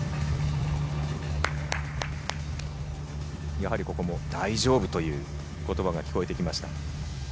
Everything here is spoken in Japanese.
やはりここも大丈夫という言葉が聞こえてきました。